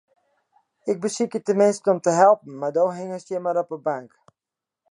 Ik besykje teminsten om te helpen, mar do hingest hjir mar op 'e bank.